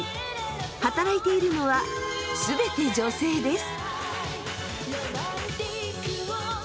働いているのは全て女性です。